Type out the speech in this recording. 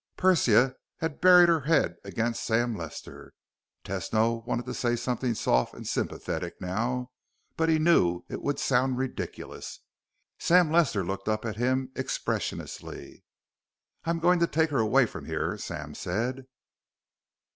Persia had buried her head against Sam Lester. Tesno wanted to say something soft and sympathetic now, but he knew it would sound ridiculous. Sam Lester looked up at him expressionlessly. "I'm going to take her away from here," Sam said.